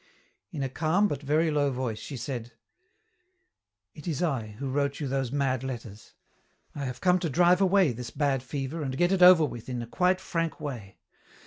In a calm but very low voice she said, "It is I who wrote you those mad letters. I have come to drive away this bad fever and get it over with in a quite frank way.